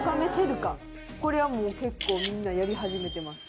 これはもう結構みんなやり始めてます。